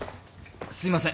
すいません。